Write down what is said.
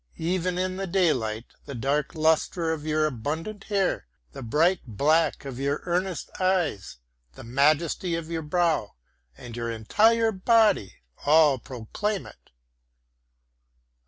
Even in the daylight the dark lustre of your abundant hair, the bright black of your earnest eyes, the majesty of your brow and your entire body, all proclaim it.